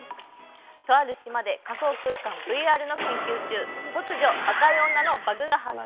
とある島で仮想空間ＶＲの研究中、突如バグが発生。